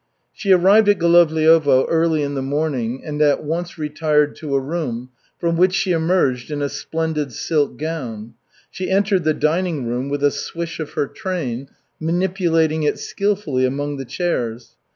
She arrived at Golovliovo early in the morning and at once retired to a room, from which she emerged in a splendid silk gown. She entered the dining room with a swish of her train, manipulating it skilfully among the chairs.